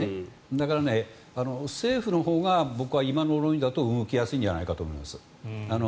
だから、政府のほうが僕は今の論理だと動きやすいんじゃないかと思います。